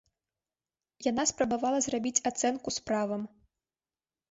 Яна спрабавала зрабіць ацэнку справам.